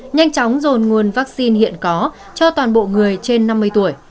nhanh chóng dồn nguồn vaccine hiện có cho toàn bộ người trên năm mươi tuổi